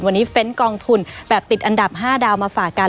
วันนี้เฟ้นกองทุนแบบติดอันดับ๕ดาวมาฝากกัน